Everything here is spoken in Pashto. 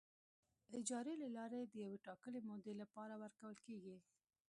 اجارې له لارې د یوې ټاکلې مودې لپاره ورکول کیږي.